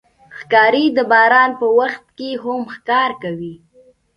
ښکاري د باران په وخت کې هم ښکار کوي.